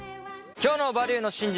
今日の「バリューの真実」